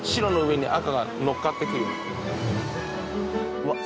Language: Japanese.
うわっ！